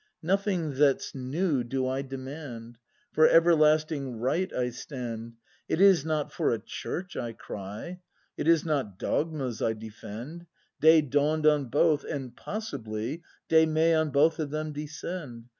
Nothing that's new do I demand; For Everlasting Right I stand. It is not for a Church I cry. It is not dogmas I defend; Day dawn'd on both, and, possibly. Day may on both of them descend.